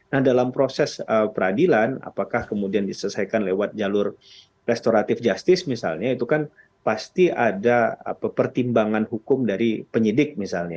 nah dalam proses peradilan apakah kemudian diselesaikan lewat jalur restoratif justice misalnya itu kan pasti ada pertimbangan hukum dari penyidik misalnya